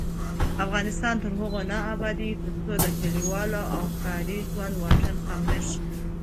افغانستان تر هغو نه ابادیږي، ترڅو د کلیوالي او ښاري ژوند واټن کم نشي.